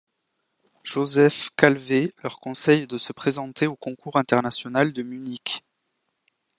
Joseph Calvet leur conseille de se présenter au concours international de Munich.